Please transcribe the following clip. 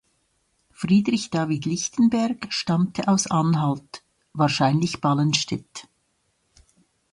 Friedrich David Lichtenberg stammte aus Anhalt (wahrscheinlich Ballenstedt).